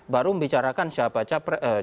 baru membicarakan siapa capres